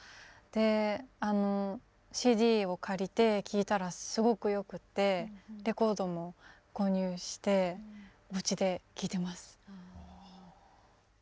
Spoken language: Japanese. であのＣＤを借りて聴いたらすごくよくってレコードも購入してうちで聴いてます。